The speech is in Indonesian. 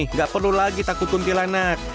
nggak perlu lagi takut kuntilanak